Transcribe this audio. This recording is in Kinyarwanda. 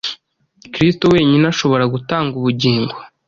Kristo wenyine ashobora gutanga ubugingo.